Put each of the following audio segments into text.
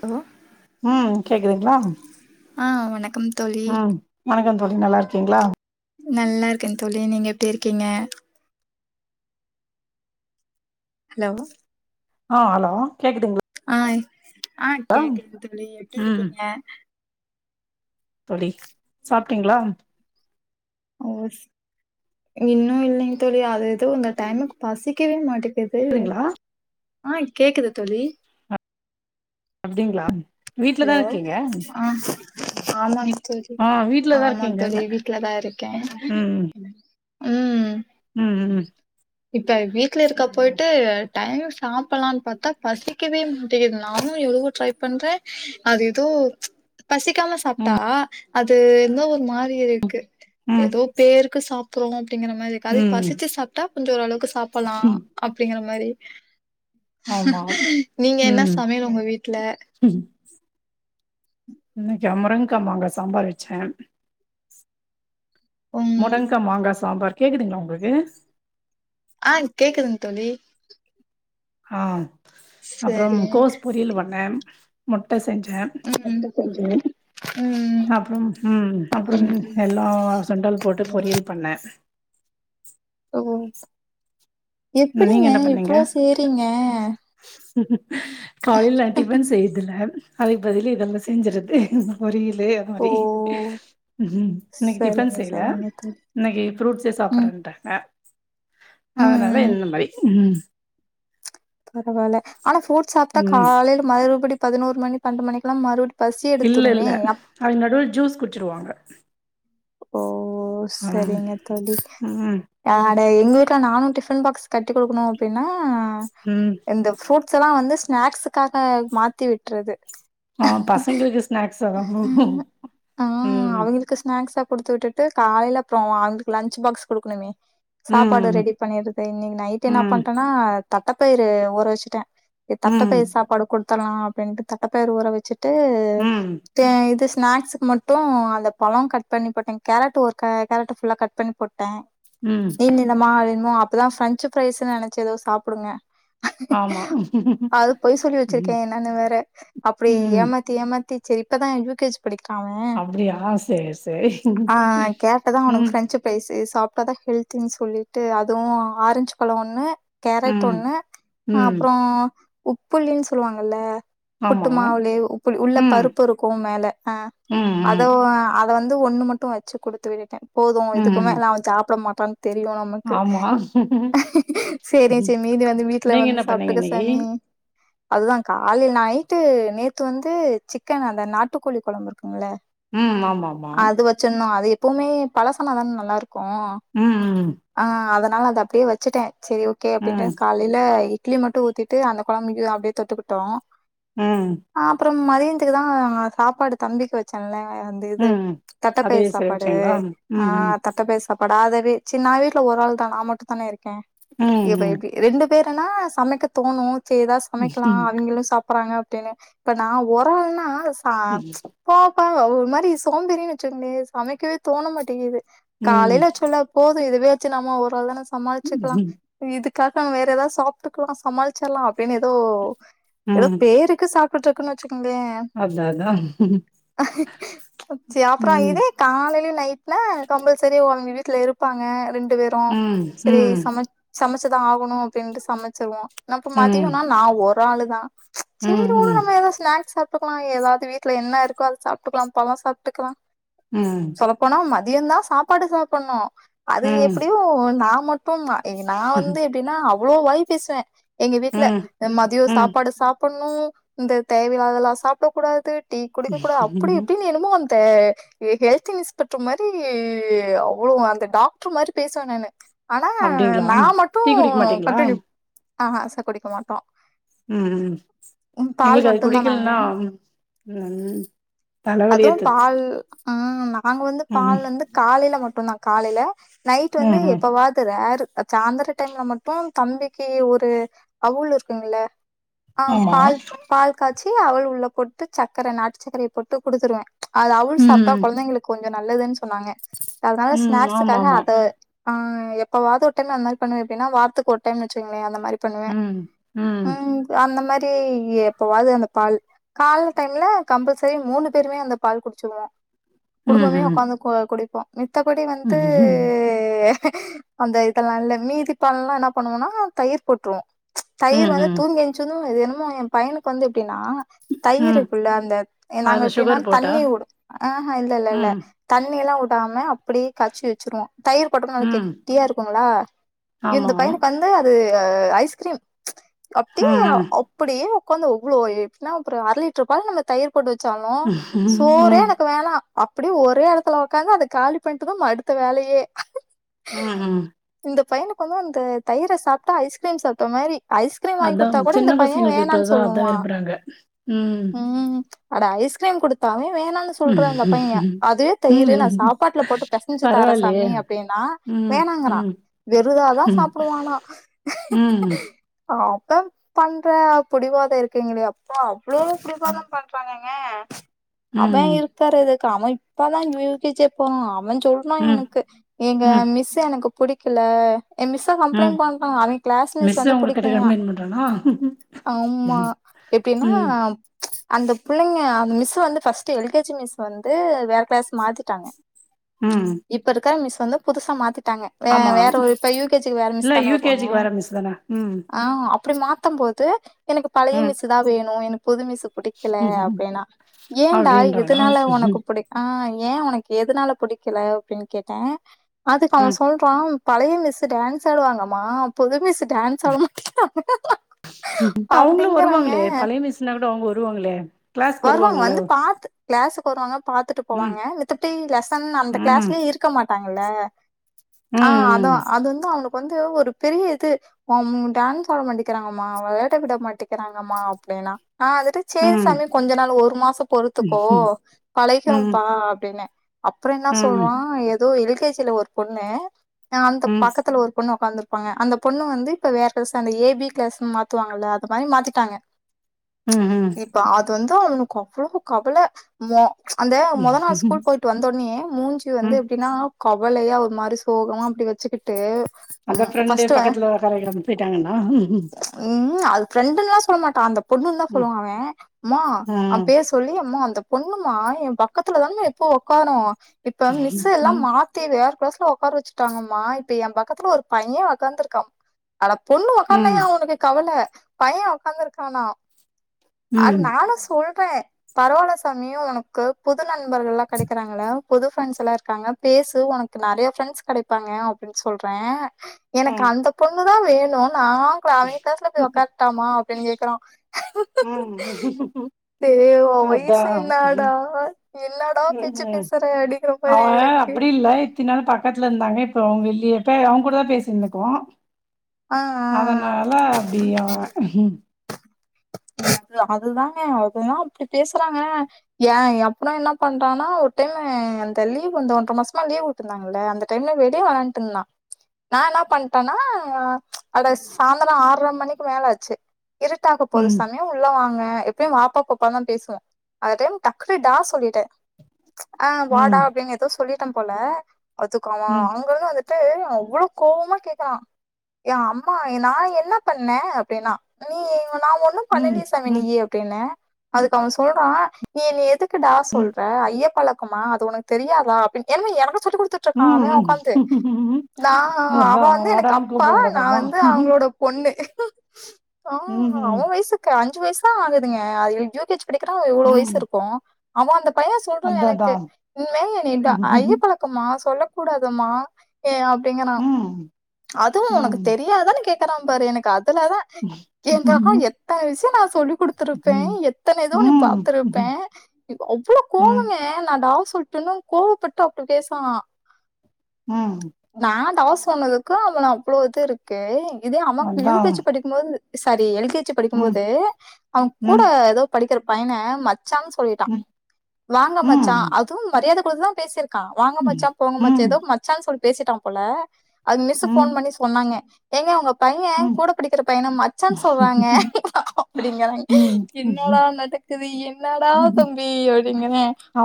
Hello ம், கேக்குதுங்ளா ஆ வணக்கம் தோழி ம் வணக்கம் தோழி நல்லா இருக்கீங்ளா நல்லா இருக்கே தோழி நீங்க எப்டி இருக்கீங்க ஹலோ ஆ ஹலோ கேக்குதுங் ஆ ஆ கேக்குது தோழி எப்டி ம் இருக்கீங்க தோழி சாப்ட்டீங்ளா ஓ ச இன்னு இல்லைங்க தோழி அது ஏதோ இந்த டைமுக்கு பசிக்கவே மாட்டேங் கிது ங்களா ஆஹ் கேக்குது தோழி அப்படிங்களா வீட்லதா இருக்கீங்க ஆமாங் தோழி ஆ வீட்ல தா ஆமா தோழி இருக்கீங்கன்ன வீட்லதா இருக்கே ம் ம் ம் ம் இப்ப வீட்டில இருக்க போய்ட்டு டைம்க்கு சாப்டலான்னு பாத்தா பசிக்கவே மாட்டங்து நானு எவ்ளவோ ட்ரை பண்றே அது ஏதோ பசிக்காம சாப்ட்டா ம் அது எதுனா ஒரு மாரி இருக்கு ம் எதோ பேருக்கு சாப் ட்றோ அப்டிங்கிற மாரி இருக் அதே ம் பசிச்சு சாப்ட்டா கொஞ்ச ஓரளவுக்கு சாப்டலாம் ம் அப்டிங்கிற மாரி ஆமா நீங்க என்ன ம் சமையலு உங்க வீட்ல இன்னிக்கா முருங்கா மாங்கா சம்பார் வெச்சே ம் முடங்க்கா மாங்கா சாம்பார் கேக்குதுங்குளா உங்களுக்கு அ கேக்குதுங் தோழி ஆ அப்புறம் சரி கோஸ் பொரியல் பண்ணே மொட்டைஸ் செஞ்சே ம் ம். அப்புறம் உம் அப்புறம் எல்லா சுண்டல் போட்டு பொரியல் பண்ணே ஓ நீங்க எப்பிடிங்க என்ன பண்ணீங்க இவ்ளோ செய்ரீங்க காலைல டிஃபன் செய்யிதுல்ல அதுக்கு பதிலு இதெல்லா செஞ்சுர்றது பொரி யலு அந்த ஓ மாரி உம் இன்னைக் டிபன் சரிங்க செய்யில சரிங்க தோழி. இன்னைக்கு ஃபுரூட்ஸே ம். சாப்புறேன்டாங்க அதனால ம். [unintelligible] பரவால்ல ஆனா ஃபுரூட்ஸ் சாப்ட்டா ம் காலையில மறுபடி பதினொரு மணி பண்டு மணிக்குல்லா மறுபுடி இல்ல இல்ல அது நடுவுல்ல ஜூஸ் குடிச்சுருவாங்க ஓ ஓ சேரிங்க தோழி ம் ஆட எங் க்க நானு டிபன் பாக்ஸ் கட்டி குடுக்குணு அப்டின்னா அ ம் இந்த ஃபுரூட்ஸெல்லா வந்து ஸ் ஸ்நேக்ஸ்சுக்காக மாத்தி விட்டறது அ பசங்களுக்கு ஸ்நேக்ஸ் அதா ஆ உம் அவங்களுக்கு ஸ்நாக்ஸா குடுத்து விட்டுட்டு காலையில போவா அவங்களுக்கு லன்ச்சு பாக்ஸ் குடுக்குணுமே சாப்பாடு ம் ரெடி பண்ணிரது இன்னிக்கி நைட் நா ம் பண்ட்டனா தட்டப்பயிரு ஊற வச்சுட்டே அ ம் தட்டப்பை சாப்பாடுக் குட் த்தலா அப்டின்னுட்டு தட்டப்பயர் ஊற வச்சிட் ட்டூ ம் டே இது ஸ்நாக்ஸுக்கு மட்டூ அந்த பலோ கட்ப் பண்ணி போட்டே கேரட் ஒரு கா கேரட்டு ஃபுல்லா கட் பண்ணி போட் டே ம் நீள் நீலமா வேணுமோ அப் அப்பதா ஃபிரன்ச்சு ஃபிரைஸ்ஸுன்னு நெனச்சு எதோ சாப்டுங்க ஆமா அது பொய் சொல்லி வெச்சுருக்கே ம் என்னான்னு வேற அப்டி ம் ஏமாத்தி ஏமாத்தி சேரி இப்பதா யூகேஜி அப்டியா சேர் சேர் ஆ கேட்டதூ அவனுக் ஃபிரஞ்சு ஃப்ரைஸ் சே இத சாப்ட்டாதா ஹெல்தினு சொல்லிட்டு அதுவு ஆரஞ்சு பழோ ஒண்ணு கேரட் ம் ஒண்ணு அ ம் அப்றோ உப்புல்லின்னு சொல்வாங்கல்ல புட்டு ஆமா மாவுலே உப்புல் உள்ள ம் பருப்புருக்கு மேல ஆ ம் ம் அதோவ் அத து‌ ஒன்னு மட்டு வச்சி குடுத்து விட்டுட்டே போது ம் இதுக்குமேல அவ சாப்ட மாட் தெரியு நமக்கு ஆமா சேரி ம். சிம்மி மீதி வந்து வீட்ல நீங்க வந்து என்ன பண்ணீங்க சாப்ட்டுக்க இன்னைக்கி? சாமி அதுதா காலில் நைட்டு நேத்து வந்து சிக்கன் அந்த நாட்டுக்கோழி கொலம்புருக்குங்ல உம் ஆமாம் அது வச்சிண்ணோ அத எப்பவுமே பழசான தான நல்லாருக் கோம் ம் ஆ அத னால அத அப்டியே வச்சிட்டே சேரி ஓகே அப்டின்ட்டு ம் காலைல இ இட்லி மட்டு ஊத்திட்டு அந்த கொழம்பயு அப்டியே தொட்டுக்கிட்டோ ஆ மதியத்துக்குதா சாப்பாடு தம்பிக்கு வெச்சன்ல ஆ அந்த இது ம் தட்டப்பை அதுவே சாப்பாடு செலவிட்டீங்களா? ஆ ம் ம் தட்டப்பை சாப் படாதவே ச நா வீட்ல ஒரு ஆள் தா நா மட்டுதானே இருக் க இப்ப ம் எப்டி ரெண்டு பேருனா சமைக்க தோணு சே ஏதா சமைக்கலா ம் அவிங்களு சாப் ப்றாங்க அப்டின்னு இப்ப நா ஒரு ஆள்னா சா போ ஆ ஒரு மாரி சோம்பேறினு வெச்சுங்ளே சமைக்கவே தோண மாட்டிங்குது காலைல ம் வெச்சோல போது இதுவே நம்ம ஒரு ஆள் தான சமாளிச்சுக்லா ம் இதுக் காகா வேற எதா சாப்ட்டுக்லா சமாளிச்சர்லா அப்டின் ஏதோ ஏதோ ம் பேருக்கு சாப் ட்ருக்கன் வெச்சு க்கங்க அதான் அதான் அப்புற ம் இதே காலைலயு நைட்ல கம்பல்சரி ஒன் வீட்ல இருப்பாங்க ரெண் டு பேரு ம் செரி ம் சம சமச்சுதா ஆகணு அப்டின்ட்டு சமைச்சிருவோ அப்ப ம் மதியன்னா நா ஒரு ஆளுதா சேரி ம் உடு ம் நம்ம எதா ஸ்னாக்ஸ் சாப் டுக்லா எதாவுது வீட்ல என்ன இருக்கோ அத சாப்ட்டுக்லா பழ சாப்ட்டுக்கலா ம் சொல்ல போனா ம தியந்தா சாப்பாடு சாப்படணு அது ம் எப்டியோ நா மட் அப்ப ம நான் வந்து எப்படின்னா அவ்ளோ வாய் பேசுவேன் எங்க வீட்டுல ம் மதியோ ம் சாப்பாடு சாப் பண்ணும் இந்த தேவையில்லாதெல்லா சாப்ட கூடாது டீ குடிக்க கூடா அப்படி இப்படினு என்னமோ வந்து தே ஹெல்த் இன்ஸ்பெக்டர் மாரி அவ்ளோ அந்த டாக்டர் மாரி பேசுவேன் நானு ஆனா அப்டிங்களா நான் டீ மட்டும் குடிக்க மாட்டீங்களா கண்டினியூ ஆஹ் ஆச குடிக்க மாட்டோம் உம் பால் எங்களுக்கு அது மட்டுந்தா நாங்க குடிக்கலனா உ தலைவலியே த உம் நா அங்க வந்து பால் வந்து காலையில மட் மட்டும்தான் காலையில நைட் வந்து ம் ம் எப்பவாது ரேர் சாயந்திர டைம்ல மட்டும் தம்பிக்கு ஒரு அவுல் இருக்குங்கள ஆஹ் ஆமா பால் பால் காய்ச்சி சி அவுல் உள்ளபோட்டு சக்கர நாட்டு சக்கர போட்டு குடுத்துருவேன் அது அவுல் ம் சாப்பிட்டா குழந்தைளுக்கு கொஞ்ச நல்லதுன்னு சொ சொன்னாங்க அதனால ம் ஸ்னாக்ஸ் ஆமா காக ஆமா அத ஆ எப்பாவது ஒரு டைம் அந்தமாரி எப்படினா வாரத்துக்கு ஒரு டைம் வச்சங்களன் அந்தமாரி மாரி பண்ணுவேன் ம் ம் உம் அந்த மாரி பே எப்பவாது அந்த பால் கால டைம்ல கம்பல்சரி மூணு பேருமே அந்த பால் குடிச்சிருவோம் ம் குடும்பமே ம் உக்காந்து கு குடிப்போம் மித்தபடி வந்து ம் ஏ அந்த இதல்லா இல்ல மீதிப்பாலா என்ன பண்ணுவோம்னா தயிர் போட்டுருவோம் ச்சு தயிர் ம் வந்து ம் தூங்கிச்சுது இது என்ன மொ என் பையனுக்கு வந்து அப்படின்னா ம் தயிருக்குள்ள அந்த நாங்க அதுல எப்படின்னா சுகர் போட்டா தண்ணி வுடும் ஆஹ் இல்ல இல்ல இல்ல ம் தண் தண்ணிலவுடமா அப்படியே காய்சி வச்சிருவோம் தயிர் கோடம்போது ம் கொட்டியா இருக்குங்களா இந்த ஆமா பையனுக்கு வந்து அது ஆஹ் ஐஸ்கிரீம் அப்டியே ம் ம் அப்படியே ஒக்காந்து அவ்ளோ இத்தன அரை லிட்டர் பால் நம்ம தயிர் போட்டு வச்சாலு சோறே ம் எனக் அப்படியே ஒரே எடத்துல ஒக்காந்து அத காலி பண்ணிட்டுதா அடுத்த வேலையே உம் உம் ஒக்காந்து அந்த தயிர சாப்டா ஐஸ்கிரீம் சாப்டா மாரி அதான் சின்ன பசங்களுக்கு இப்ப அத்தா அத்தா சொல்லுவான் விறுப்புறாங்க உம் அட ஐஸ்கிரீம் கொடுத்தாவே வேணா அப்ரோ இந்த பையே அதே ம் தயிரு நா ம் சாப்பாட்டுல போட்டு பெசஞ்சு தார பரவாயில்லையே! சாமி அப்டின்னா ம், வேணாங்குறா ம், வெறு இதாதா ம், சாப்புடுவானா ம், பாப்பாங்க பண்ற புடிவாதோ இருக்குங்களே அப்பா அவ்வளவு புடிவாதோ பண்றாங்குங்க அத்தா ம், இருக் இதுக்கு அமைப்பாத யு கே ஜி யே போன அவன் சொல்றா ம், எனக்கு எங்க ம், மிஸ்சு எனக்கு பிடிக்கல ஏ மிஸ்செ ம். கம்ப்ளைன்ட் பண்றா அவே கிளாஸ்மிஸ் மிஸ் வந்து உங்ககிட்ட பிடிக்கலைய கம்ப்ளைண்ட் பண்றானா? ஆமா ம், எப்டின்னா ம். அந்த பிள்ளைங்க அந்த மிஸ்சு வந்து ஃபஸ்ட் எழுதி யு கே ஜி மிஸ் வந்து வேற கிளாஸ் மாத்திட்டாங்க ம் இப்ப இருக்கிற மிஸ் வந்து புதுசா மாத்திட் டாங்க ஆமா. வேற ஒரு இப்ப யு கே ஜி கு வேற இல்ல மிஸ் தானா வருவாங்க யுகேஜிக்கு வர மிஸ் தான. ம், ஆ அப் அப்டி மாத்தும் போது எனக்கு பழைய ம், மிஸ்சு தா வேணு எனக்கு புது மிஸ்சு புடிக்கல ம் அப்டின்னா ஏன்டா இது அப்படின்றானா? இதுனால உனக்கு ம், பிடிக்க ஐ ஏன் உனக்கு எதுனால புடிக்கல அப்டின்னு கேட்டே அதுக்க அவே ம். சொல்றா பழைய மிஸ்சு டான்ஸ் ஆடுவாங்கம்மா புது மிஸ் டான்ஸ் ஆடமாட்டேங்கிறாங்க அவுங்களு வருவாங்களே பழைய மிஸ்னா கூட அவுங்க வரு வருவாங்களே கிளாஸ்க்கு வருவாங்க வருவாங்கல்ல. வந்து பாத்து கிளாசுக்கு வருவாங்க பாத்துட்டு ம், போவாங்க மித்தபடி லெசன் அந்த ம், கிளாஸ்லே இருக்க மாட்டாங்க அல்ல ஆஹ் அதா ம், ம், அது வந்து அவனுக்கு வந்து ஒரு பெரிய இது ம்ம் டான்ஸ் ஆட மாட்டிகிறாங்கம்மா விளையாட விட மாட்டிகிறாங்கம்மா அப்டினா நா இருந்துட்டு சேரி ம், சாமி கொஞ்ச நாள் ஒரு மாச பொறுத்துக்கோ ம், ம், ம், பழகிறும்பா அப்டின்னு என்ன அப்புற என்னா சொல்றா ஏதோ எழுதி யு கே ஜி ல ஒரு பொண்ணு நா அந்த ம், பக்கத்துல ஒரு பொண்ணு உக்காந்துருக்கு ப்பாங்க அந்த பொண்ணு வந்து இப்ப வேற ஸ்டேண்டடு ஏபி கிளஸ்ன்னு மாத்துவாங்கல்ல அது மாதிரி மாத்திட்டாங்க ம் ம் இப்ப அது வந்து அவுனுக்கு அவ்ளோ கவலை மா அந்த மொத நாள் ம், ஸ்கூல் போயிட்டு வந்தோடனேயே மூஞ்சு வந்து ம், எப்படின்னா க வலையா ஒரு மாதிரி சோகமா அப்டி வச்சுக்கிட்டு டு அந்த அம் ஃப்ரெண்டு ஃபஸ்ட் அவ பக்கத்துல உக்கார வைக்காம போயிட்டாங்கன்னா ம் அது ஃப்ரண் டெல்லாம் சொல்ல மாட்டா அந்த பொண்ணுன் தா சொல்லுவா அவன் ம்மா ஆ அவ பேர் சொல்லி அம்மா அந்த பொண்ணுமா எம் பக் கத்துல தான மா எப்பவு ஒக்காரு இப்ப ம் மிஸ்சு எல்லா மாத்தி வேற கிளாஸ் உக்கார வச்சுட்டாங்கம்மா இப்ப எம் பக்கத்துல ஒரு பைய உட்காந்துருக்கா ஆனா பொண்ணு ம் ம் உக்காரலையேன்னு அவனுக்கு கவலை பைய உக்காந்துருக்கானா நானு சொல்றே பரவால்ல சாமி உனக்கு புது நண்பர்கள்ல்லா கெடைக்கறாங்கல்ல புது ஃப்ரெண்ட்ஸ் எல்லா இருக்காங்க பேசு உனக்கு நறையா ஃப்ரெண்ட்ஸ் கெடைப்பாங்க அப்படின்னு சொல்றே ஆ எனக்கு அந்த பொண்ணு தா வேணு நான் அவிங்க கிளாஸ்ல போய் ம் உக்காரட்டாமா அப்படின்னு கேக்கறா டேய் உ வயசு என்னடா உம் பேச்சு உம் பேசுற அப்டிங்கிற அவ மாரி இருக்கு அப்படி இல்ல இத்தின நாள் பக்கத்துல இருந்தாங்க இப்ப அவங்க இல்லயே அவங் கூடதான் பேசினுந்துருக்கு ஆ ஆ அதனால அப்டி அவ அது அதுதாங்க அதுதா அப்டி பேசறாங்க ஏ அப்ற என்ன பண்றானா ஒரு டைமு அந்த லீவ் அந்த ஒன்ற மாசமா லீவ் விட்ருந்தாங்கல்ல அந்த டைம்ல வெளிய வெளாண்ட்டுருந்தா நா என்ன பண்ட்டன்னா அட சாயந்திர ஆறர மணிக்கு மேலாச்சு இருட்டாக போது ம் உள்ளே வாங்க எப்பயு வாப்பா போப்பான்தா பேசுவோ அந்த டைம் டக்குனு டா சொல்லிட்டே ஆ வாடா ம் அப்டின்னு ஏதோ சொல்லி ட்டம் போல அதுக்கு அவ ம் அங்கருந்து வந்துட்டு அவ்வள கோவமா கேக்கறா ஏ அம்மா நா என்ன பண்ணே அப்டின்னா நீ நா ஒன்னு ம் பண்ணுலியே சாமி ம் நீயு அப்டின்ன அதுக்கு அவ சொல்றா நீ நீ எதுக் கு டா ம் சொல்ற ஐய பழ க்கமா அது உனக்கு தெரியாதா அப்டின் என்ம எனக்கு சொல்லி குடுத்துட்ருக்கா அவ ம் உக்காந்து ம் நா அவ அதா வந்து எனக்கு வாடான்னு அப்பா கூப்ட நா கூடாதாமா வந்து அவங்களோட பொண்ணு ஆ ம் அவ ம் வயசுக் அஞ்சு வயிசுதா ஆகுதுங்க யு கே ஜி படிக்கிறா எவ்ளோ வயிசு ம் இருக்கு அவ அந்த பைய சொல்றா அதா அதா எனக்கு இனிமே என்னய டா ஐயப்பழக்கமா சொல்ல கூடாதுமா ஏ அப்டிங்கறா ம் அதுவு உனக்கு ம் தெரியாதானு கே க்கறாம்பாரு எனக்கு அது லதா ம். எ தக ம். எத் விஷய நா சொல்லிக் குடுத்திருக்கே ம். எத்தனதோ நா ம். பாத்துருப்பே ம். அவ்ளோ கோவங்க நா டா சொல்ட்டன்னு கோவப்பட்டு அப்டி பேசறா ம். நா டா சொன்னதுக்கு அவன அவ்ளோ இது இருக்கே இதே அவ யூ கே அதான். ஜி படிக்கும்போது சாரி எல் கே ஜி ம். படிக்கும்போது அவங் கூட ம். எதோ படிக்கற பையன ம சான்னு சொல்லிட்டா ம். வாங்க மச்சா ம். அதுவு மரியாத [unintelligible] பேசிர் க்கா வாங்க ம். மச்சா போங்க மச் ம். ஏதோ மச்சான் சொல் பேசிட்டா போல அதுக் மிஸ்ஸு ம். ஃபோன் பண்ணி சொன்னாங்க ஏங்க உங்க பைய கூட படிக்கிற பையன மச்சான் ம். சொல்றாங்க அப்டிங்கிறாங் ம். ம். என்னடா நடக்குது என்னடா ம். தம்பி அப்டிங்கிற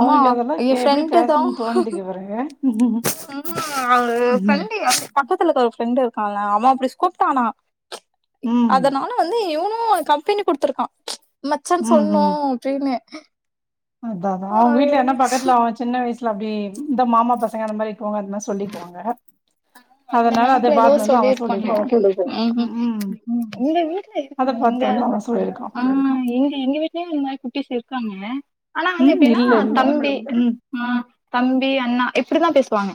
அம்மா அதெல்லாம் ஏ கே எப்படி ஃப்ரெண்டுதா பேசணும்னு தோணுதுக்கு பிறகு. ம். ம் அவு ம். ஃப்ரெண்டு யா பக்கத்துலக்குற ஒரு ஃப்ரெண்டு இருக்கான்ல அவ அப்டி ஸ்கூப்ட்டானா ம். அதனால வந்து இவனு ஊ கம்பெனி குடுத்துருக்கா மச்சான் சொல்னு அப்டினு அதா அதா அவங் வீட்ல எதனா பக்கத்துல அவ சின்ன வயசு ல அப்டி இந்த மாமா பசங்க அந்த மாரி போங்க அத்மாரி சொல்லிக்குவாங்க அந்த அதனால அத நெனப்புல எதோ பாத்துன்னு வந்து அவன் சொல்லிக்குவான். சொல்லிருப்பானாட்ருக்கு ம். ம் உங்க வீட்ல அத இருக்கா எங்க பாத்து வந்து அவன் சொல்லிருக்கான். ஆ எங்க எங்க வீட்லயு இது மாரி குட்டிஸ் இரு க்காங்க ஆனா வந்து ம். எப்டினா இல்ல இல்ல. தம்பி ம். அ தம்பி அண்ணா இப்டிதா பேசுவாங்க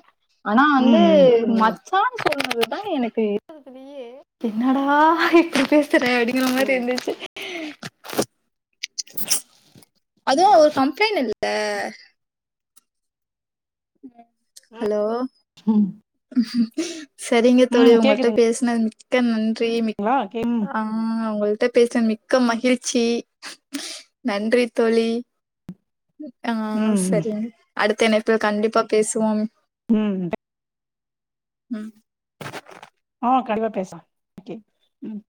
ஆனா வந்து ம் ம ச்சான் சொன்னதுதா எனக்கு இருக்கறதுலயே என்னடா இப்டி பேசுற அப்டிங்கிற மாரி இருந்துச்சு ஆ ஹலோ ம் சரிங்க தோழி ம் உங்கள்ட்ட கேக்குதுங்களா பேசுன மிக்க நன் றி மி கே ம் ஆ உங்கள் ட்ட பேசுன மிக்க மகிழ்ச்சி நன்றி தோழி ஆ ம் சரிங் அடுத்த இனைப்பில் கண்டிப் ப்பா பேசுவோம் ம் ம் ம் கண்டிப்பா பேசலாம் ஓகே ம்